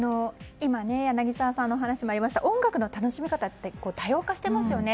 柳澤さんの話にもありましたが音楽の楽しみ方って多様化していますよね。